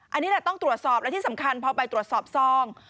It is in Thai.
อันนี้แหละต้องตรวจสอบและที่สำคัญพอไปตรวจสอบซอง